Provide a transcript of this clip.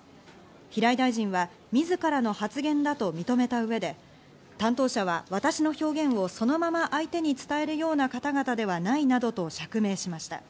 平井大臣は自らの発言だと認めた上で担当者は私の表現をそのまま相手に伝えるような方々ではないなどと釈明しました。